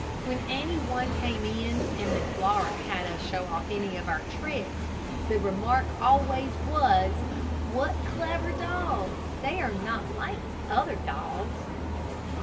When any one came in, and Miss Laura had us show off any of our tricks, the remark always was, "What clever dogs. They are not like other dogs."